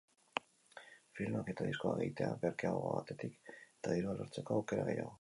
Filmak eta diskoak egitea merkeago batetik eta dirua lortzeko aukera gehiago.